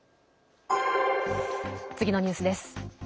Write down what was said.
次のニュースです。